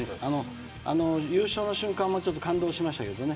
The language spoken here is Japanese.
優勝の瞬間も感動しましたけどね